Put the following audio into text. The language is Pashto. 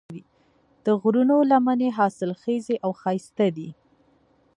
د غرونو لمنې حاصلخیزې او ښایسته دي.